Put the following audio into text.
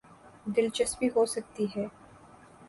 دلچسپی ہو سکتی ہے۔